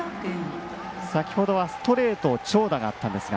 先ほどはストレート長打があったんですが。